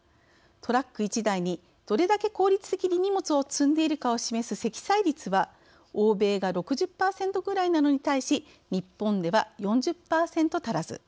トラック１台にどれだけ効率的に荷物を積んでいるかを示す積載率は欧米が６０％ぐらいなのに対し日本では４０％足らず。